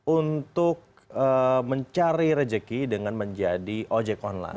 untuk mencari rejeki dengan menjadi ojek online